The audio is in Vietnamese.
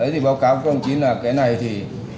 thì báo cáo công chính là cái này thì